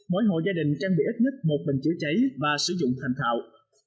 mỗi hộ gia đình trang bị ít nhất một bình chữa cháy và sử dụng thành thạo